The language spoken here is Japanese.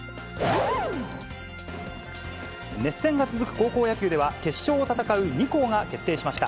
熱戦が続く高校野球では、決勝を戦う２校が決定しました。